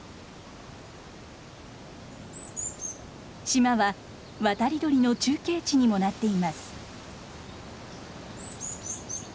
島は渡り鳥の中継地にもなっています。